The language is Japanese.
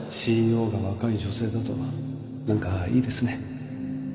ＣＥＯ が若い女性だと何かいいですね